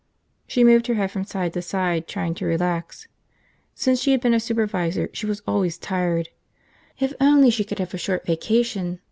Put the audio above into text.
She moved her head from side to side, trying to relax. Since she had become a supervisor she was always tired. If only she could have a short vacation!